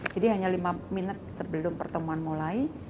jadi hanya lima menit sebelum pertemuan mulai